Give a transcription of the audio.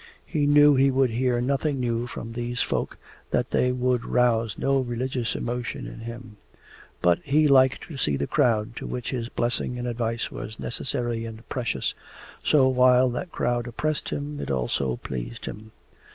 He knew he would hear nothing new from these folk, that they would arouse no religious emotion in him; but he liked to see the crowd to which his blessing and advice was necessary and precious, so while that crowd oppressed him it also pleased him.